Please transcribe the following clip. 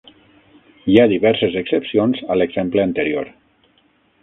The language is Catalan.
Hi ha diverses excepcions a l'exemple anterior.